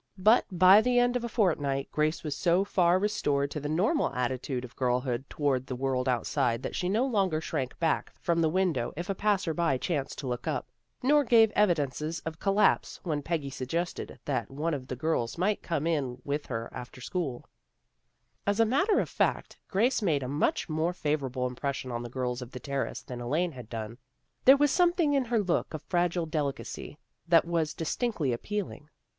But by the end of a fortnight Grace was so far restored to the normal attitude of girlhood toward the world outside that she no longer shrank back from the window if a passer by chanced to look up, nor gave evidences of col lapse when Peggy suggested that one of the girls might come in with her after school. 299 300 THE GIRLS OF FRIENDLY TERRACE As a matter of fact Grace made a much more favorable impression on the girls of the Terrace than Elaine had done. There was something in her look of fragile delicacy that was distinctly appealing.